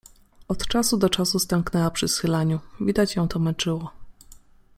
Od czasu do czasu stęknęła przy schylaniu, widać ją to męczyło.